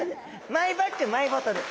マイバッグマイボトル。